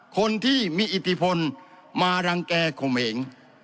คนที่มีอิทธิพลมารังแก่ข่มเหง